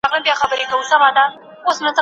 چي تر ننه یم راغلی له سبا سره پیوند یم.